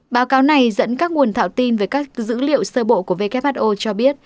báo cáo này dẫn các nguồn thạo tin về các dữ liệu sơ bộ của who cho biết